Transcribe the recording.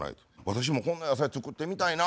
「私もこんな野菜作ってみたいな」